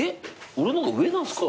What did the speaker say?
俺の方が上なんすか？